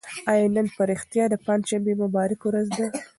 آیا نن په رښتیا د پنجشنبې مبارکه ورځ ده؟